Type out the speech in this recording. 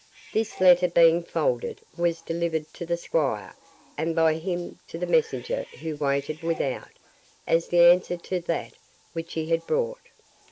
This letter being folded, was delivered to the squire, and by him to the messenger who waited without, as the answer to that which he had brought.